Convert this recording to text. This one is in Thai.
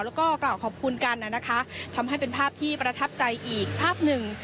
แล้วก็กล่าวขอบคุณกันนะคะทำให้เป็นภาพที่ประทับใจอีกภาพหนึ่ง